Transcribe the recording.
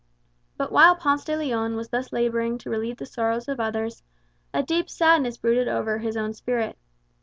But while Ponce de Leon was thus labouring to relieve the sorrows of others, a deep sadness brooded over his own spirit.